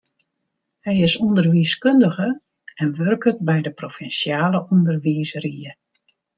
Hy is ûnderwiiskundige en wurket by de provinsjale ûnderwiisrie.